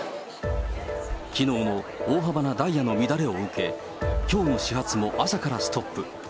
きのうの大幅なダイヤの乱れを受け、きょうの始発も朝からストップ。